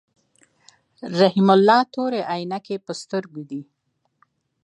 رحیم الله تورې عینکی په سترګو دي.